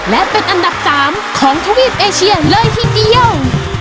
และเป็นอันดับ๓ของทวีปเอเชียเลยทีเดียว